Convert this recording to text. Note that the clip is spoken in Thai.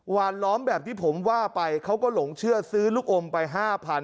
วานล้อมแบบที่ผมว่าไปเขาก็หลงเชื่อซื้อลูกอมไป๕๐๐๐